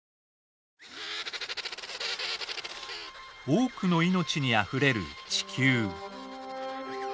多くの命にあふれる地球。